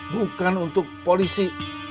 bukan untuk polisi